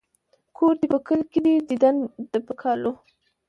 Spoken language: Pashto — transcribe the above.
ـ کور دې په کلي کې دى ديدن د په کالو.